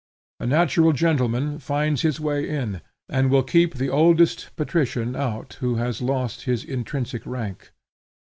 A natural gentleman finds his way in, and will keep the oldest patrician out who has lost his intrinsic rank.